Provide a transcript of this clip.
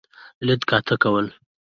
لیده کاته کول.